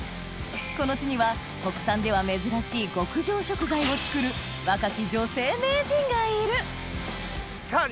この地には国産では珍しい極上食材を作る若き女性名人がいるさぁ